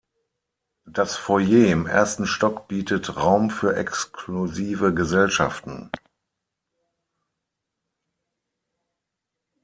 Das Foyer im ersten Stock bietet Raum für exklusive Gesellschaften.